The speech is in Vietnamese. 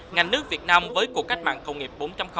ngành nước việt nam với cuộc cách mạng công nghiệp bốn